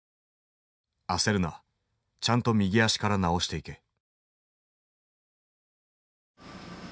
「あせるなちゃんと右足から直していけ」。